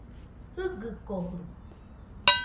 Jɨgɨkojɨ